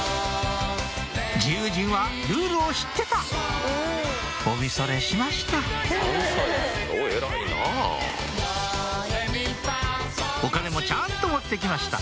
自由人はルールを知ってたおみそれしましたお金もちゃんと持って来ました